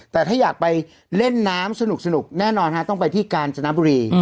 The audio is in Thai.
แต่ถ้าอยากไปเล่นน้ำสนุกแน่นอนต้องไปที่กาญจนบุรี